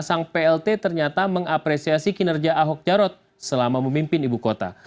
sang plt ternyata mengapresiasi kinerja ahok jarot selama memimpin ibu kota